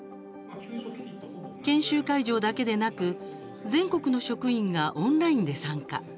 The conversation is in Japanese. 研修会場だけでなく全国の職員がオンラインで参加。